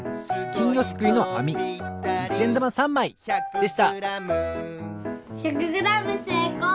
でした１００グラムせいこう！